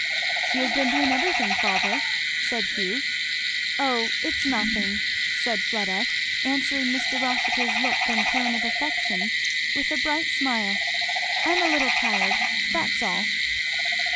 "She has been doing everything, father," said Hugh. "O! it's nothing," said Fleda, answering Mr. Rossitur's look and tone of affection with a bright smile. "I'm a little tired, that's all."